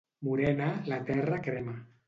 Morena, la terra crema.